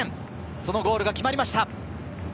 そのゴールが決まりました。